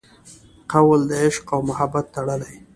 قول د عشق او محبت تړلي